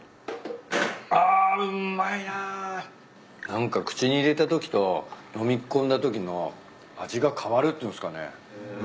何か口に入れたときと飲み込んだときの味が変わるっていうんすかね。